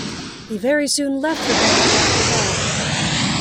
He very soon left the band after that.